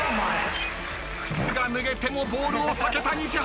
［靴が脱げてもボールを避けた西畑］